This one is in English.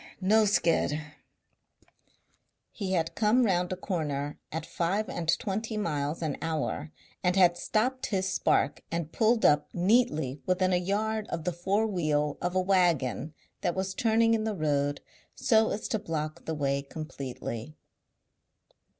No skid." He had come round a corner at five and twenty miles an hour and had stopped his spark and pulled up neatly within a yard of the fore wheel of a waggon that was turning in the road so as to block the way completely.